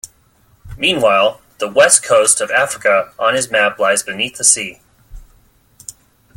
Meanwhile, the west coast of Africa on his map lies beneath the sea.